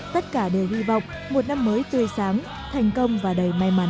tất cả đều hy vọng một năm mới tươi sáng thành công và đầy may mắn